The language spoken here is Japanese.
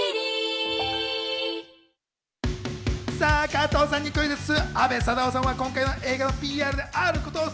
加藤さんにクイズッス！